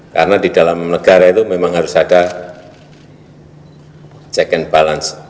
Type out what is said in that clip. karena di dalam negara itu memang harus ada check and balance